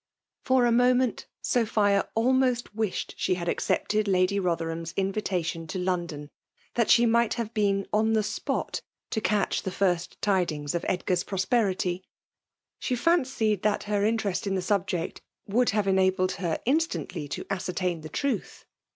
For a moment, Sophia almost wished she had accepted Lady Botherham's invitation to Lon don^ that she might have been on the spot to eatch the first tidings of Edgar's, prospmty. She fimcied that her interest in the snbjeci would have enabled her instantly to ascertain the truth.